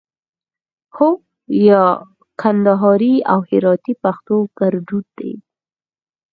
هو 👍 یا 👎 کندهاري او هراتي پښتو کړدود دی